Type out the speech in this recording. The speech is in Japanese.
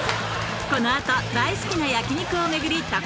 この後大好きな焼き肉を巡り貴